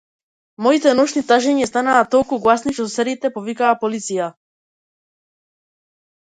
Моите ноќни тажења станаа толку гласни што соседите повикаа полиција.